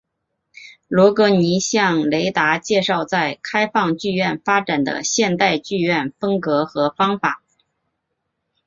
罗格尼向雷达介绍在开放剧院发展的现代剧院风格和方法。